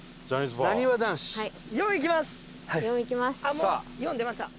もう「４」出ました。